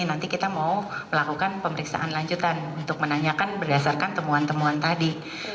nanti kita mau melakukan pemeriksaan lanjutan untuk menanyakan berdasarkan temuan temuan tadi